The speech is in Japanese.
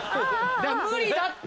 無理だって！